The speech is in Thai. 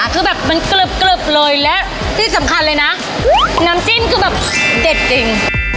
คือแบบมันกรึบเลยและที่สำคัญเลยนะน้ำจิ้มคือแบบเด็ดจริง